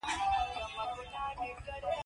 جانداد د دوستۍ قدر کوي.